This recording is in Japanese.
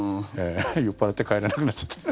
酔っ払って帰れなくなっちゃったり。